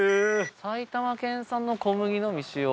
埼玉県産の小麦のみ使用。